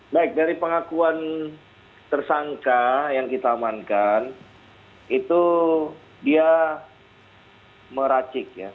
baik dari pengakuan tersangka yang kita amankan itu dia meracik ya